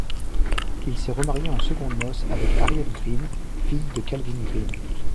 Il s'est remarié en secondes noces avec Harriet Greene, fille de Calvin Greene.